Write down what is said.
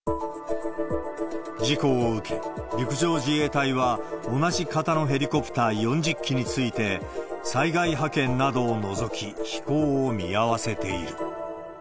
事故を受け、陸上自衛隊は同じ型のヘリコプター４０機について、災害派遣などを除き、飛行を見合わせている。